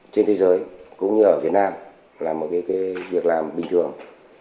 trên thế giới cũng như ở việt nam là một việc làm bình thường